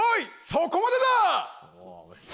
そこまでだ！